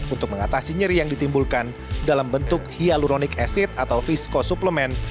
untuk mengatasi nyeri yang ditimbulkan dalam bentuk hyaluronic acid atau visco suplemen